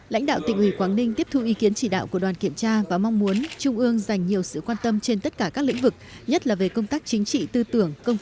lãnh đạo tỉnh ủy quảng ninh tiếp thu ý kiến chỉ đạo của đoàn kiểm tra và mong muốn trung ương dành nhiều sự quan tâm trên tất cả các lĩnh vực